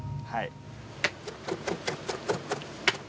はい。